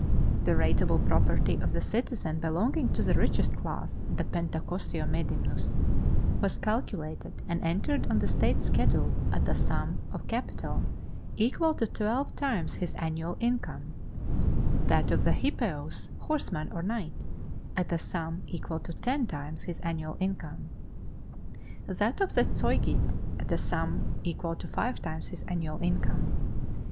The ratable property of the citizen belonging to the richest class (the Pentacosiomedimnus) was calculated and entered on the state schedule at a sum of capital equal to twelve times his annual income; that of the Hippeus, horseman or knight, at a sum equal to ten times his annual income: that of the Zeugite, at a sum equal to five times his annual income.